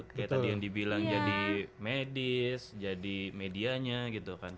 kayak tadi yang dibilang jadi medis jadi medianya gitu kan